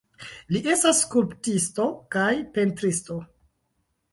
Li estas skulptisto kaj pentristo.